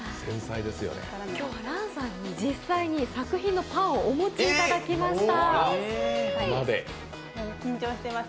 今日はＲａｎさんに実際にパンをお持ちいただきました。